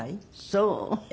そう？